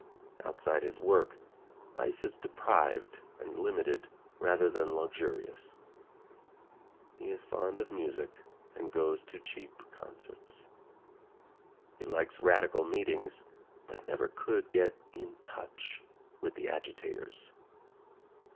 Outside his work, life is deprived and limited rather than luxurious. He is fond of music and goes to cheap concerts. He likes radical meetings, but never could get in touch with the agitators.